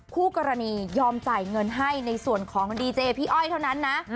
คู่กรณียอมจ่ายเงินให้ในส่วนของดีเจพี่อ้อยเท่านั้นนะ